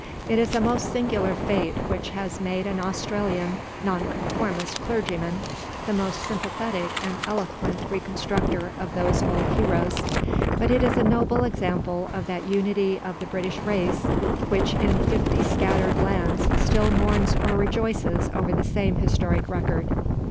It is a most singular fate which has made an Australian nonconformist clergyman the most sympathetic and eloquent reconstructor of those old heroes, but it is a noble example of that unity of the British race, which in fifty scattered lands still mourns or rejoices over the same historic record.